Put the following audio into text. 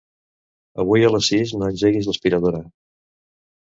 Avui a les sis no engeguis l'aspiradora.